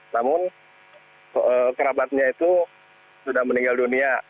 namun kerabatnya itu sudah meninggal dunia